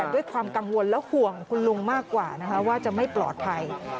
ด้วยความกังวลและห่วงคุณลุงมากกว่านะคะว่าจะไม่ปลอดภัย